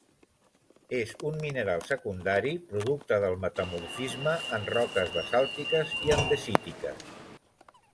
És un mineral secundari producte del metamorfisme en roques basàltiques i andesítiques.